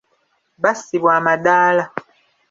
Bassibwa amadaala.